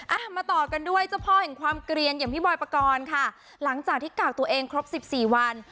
อ่ะมาต่อกันด้วยเจ้าพ่อแห่งความเกลียนอย่างพี่บอยปกรณ์ค่ะหลังจากที่กากตัวเองครบสิบสี่วัน